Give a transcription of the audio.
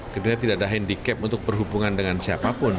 ketika tidak ada handicap untuk berhubungan dengan siapapun